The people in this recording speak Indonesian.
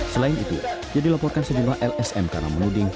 selain itu dia dilaporkan sejumlah lsm karena menuding